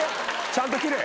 ちゃんと斬れ。